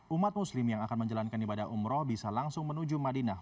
umat muslim yang akan menjalankan ibadah umroh bisa langsung menuju madinah